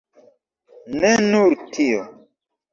Ne nur tio.